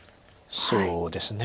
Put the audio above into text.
そうですね。